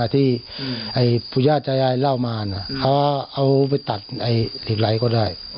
ที่ผู้ย่าใจยายเล่ามาเขาเอาไปตัดเห็ดไลท์ก็ได้